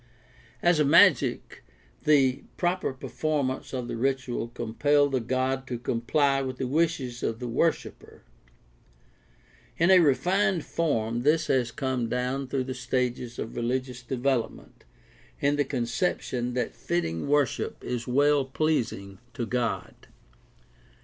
As a magic the proper performance of the ritual compelled the god to comply with the wishes of the worshiper. In a refined form this has come down through the stages of religious development in the concep tion that fitting worship is well pleasing to God.